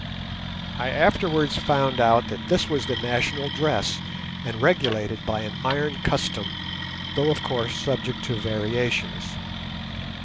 I afterwards found out that this was the national dress, and regulated by an iron custom, though of course subject to variations.